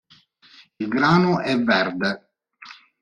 Il grano è verde